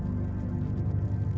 ini adalah perhubungan yang saya inginkan